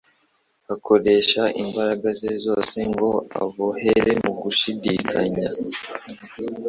Akoresha imbaraga ze zose ngo ababohere mu gushidikanya